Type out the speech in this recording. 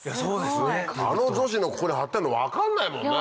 あの女子のここに貼ってあるの分かんないもんね！